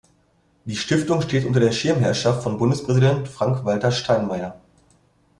Die Stiftung steht unter der Schirmherrschaft von Bundespräsident Frank-Walter Steinmeier.